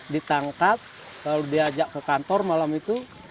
ditangkap lalu diajak ke kantor malam itu